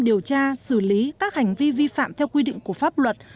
điều tra xử lý các hành vi vi phạm theo quy định của pháp luật